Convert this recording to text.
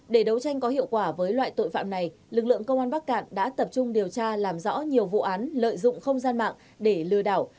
để đấu tranh có hiệu quả với loại tội phạm này lực lượng công an bắc cạn đã tập trung điều tra làm rõ nhiều vụ án lợi dụng không gian mạng để lừa đảo